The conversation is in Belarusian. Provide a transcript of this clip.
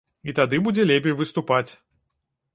І тады будзе лепей выступаць.